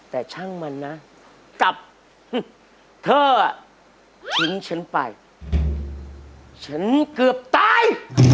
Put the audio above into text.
แต่ช่างมันนะกับเธอทิ้งฉันไปฉันเกือบตาย